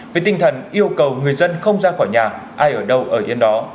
với tinh thần yêu cầu người dân không ra khỏi nhà ai ở đâu ở yên đó